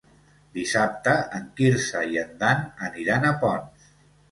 Dissabte en Quirze i en Dan aniran a Ponts.